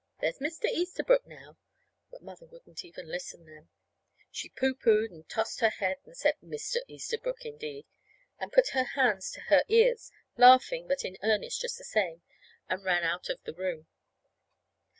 There's Mr. Easterbrook, now " But Mother wouldn't even listen then. She pooh poohed and tossed her head, and said, "Mr. Easterbrook, indeed!" and put her hands to her ears, laughing, but in earnest just the same, and ran out of the room.